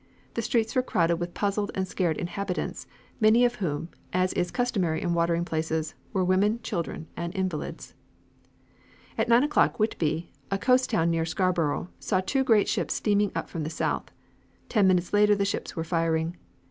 The streets were crowded with puzzled and scared inhabitants, many of whom, as is customary in watering places, were women, children and invalids. At nine o'clock Whitby, a coast town near Scarborough, saw two great ships steaming up from the south. Ten minutes later the ships were firing.